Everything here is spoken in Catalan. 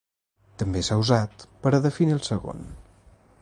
També s'ha usat per a definir el segon.